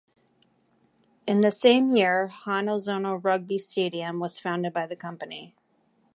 In the same year, Hanazono Rugby Stadium was founded by the company.